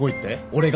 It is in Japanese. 俺が？